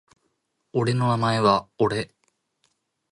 俺の名前は俺